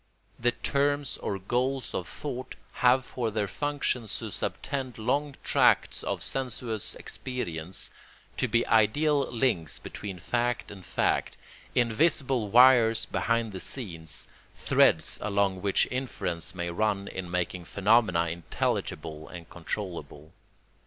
The terms or goals of thought have for their function to subtend long tracts of sensuous experience, to be ideal links between fact and fact, invisible wires behind the scenes, threads along which inference may run in making phenomena intelligible and controllable.